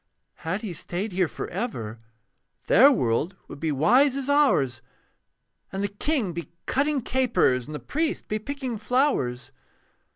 Had he stayed here for ever, Their world would be wise as ours And the king be cutting capers, And the priest be picking flowers.